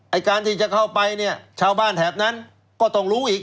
การที่จะเข้าไปเนี่ยชาวบ้านแถบนั้นก็ต้องรู้อีก